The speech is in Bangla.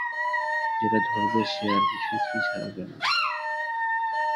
যেটা ধরবে সে আর কিছুতেই ছাড়বে না!